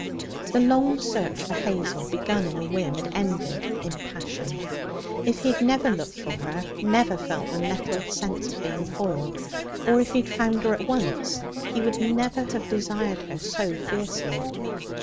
The long search for Hazel, begun in a whim, had ended in passion. If he had never looked for her, never felt the nettled sense of being foiled, or if he had found her at once, he would never have desired her so fiercely.